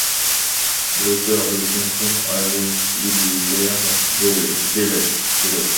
L'auteur le confond avec Hilaire Belloc.